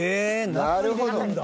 なるほど。